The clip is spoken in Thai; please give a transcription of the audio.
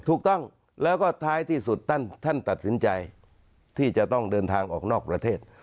ถูกต้องแล้วก็ท้ายที่สุดท่านตัดสินใจที่จะต้องเดินทางออกนอกประเทศ